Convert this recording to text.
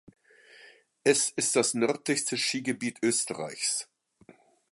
Es ist das nördlichste Skigebiet Österreichs.